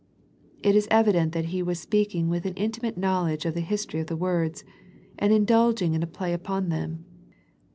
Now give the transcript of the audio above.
It is evident that He was speak ing with an intimate knowledge of the history of the words, and indulging in a play upon them.